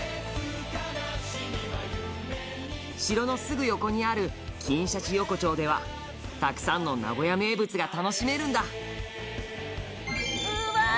城のすぐ横にある金シャチ横丁ではたくさんの名古屋名物が楽しめるんだうわー！